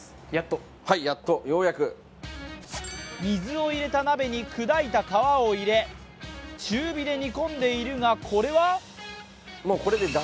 水を入れた鍋に砕いた皮を入れ中火で煮込んでいるが、これは？